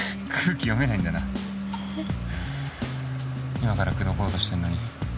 今から口説こうとしてんのに。